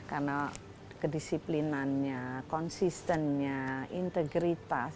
karena kedisiplinannya konsistennya integritas